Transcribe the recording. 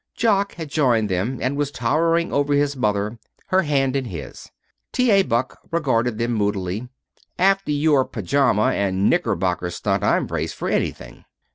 Jock had joined them, and was towering over his mother, her hand in his. T. A. Buck regarded them moodily. "After your pajama and knickerbocker stunt I'm braced for anything."